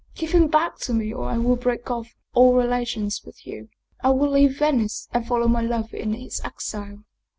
Give him back to me or I will break off all relations with you I will leave Venice and follow my lover in his exile.